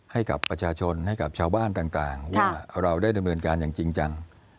ให้กับประชาชนให้กับชาวบ้านต่างว่าเราได้ดำเนินการอย่างจริงจัง